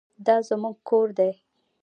دا زموږ کور دی